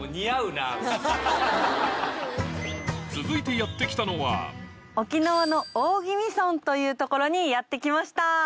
続いてやって来たのは沖縄の。という所にやって来ました。